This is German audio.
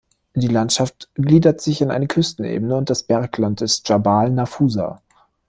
Die Landschaft gliedert sich in eine Küstenebene und das Bergland des Dschabal Nafusa.